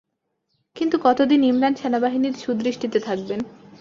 কিন্তু কত দিন ইমরান সেনাবাহিনীর সুদৃষ্টিতে থাকবেন?